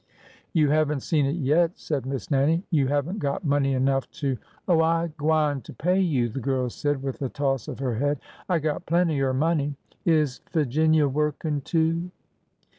"" You have n't seen it yet! " said Miss Nannie. " You have n't got money enough to —"" Oh, I gwineter pay you," the girl said, with a toss of her head. " I got plenty er money ! Is Figinia workin', too?"